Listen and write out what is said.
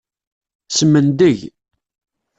Smendeg.